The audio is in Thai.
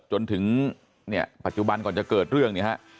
จนถึงเนี่ยปัจจุบันก่อนจะเกิดเรื่องเนี่ยฮะ